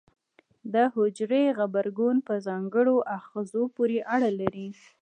د حجرې غبرګون په ځانګړو آخذو پورې اړه لري.